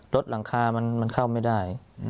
หลังคามันเข้าไม่ได้